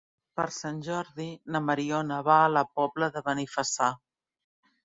Per Sant Jordi na Mariona va a la Pobla de Benifassà.